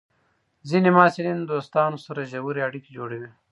ځینې محصلین د دوستانو سره ژورې اړیکې جوړوي.